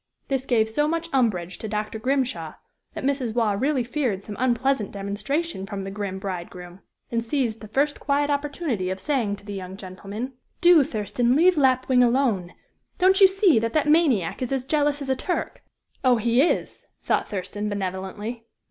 This gave so much umbrage to Dr. Grimshaw that Mrs. Waugh really feared some unpleasant demonstration from the grim bridegroom, and seized the first quiet opportunity of saying to the young gentleman: "Do, Thurston, leave Lapwing alone! Don't you see that that maniac is as jealous as a Turk?" "Oh! he is!" thought Thurston, benevolently.